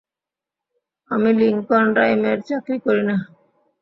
আমি লিংকন রাইমের চাকরি করি না।